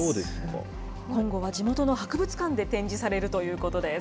今後は地元の博物館で展示されるということです。